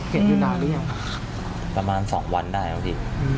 เก็บอยู่นานหรือยังประมาณ๒วันได้แล้วสิ